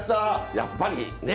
やっぱりね。